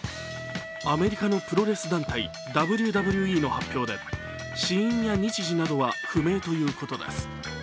アメリカのプロレス団体ＷＷＥの発表で死因や日時などは不明ということです。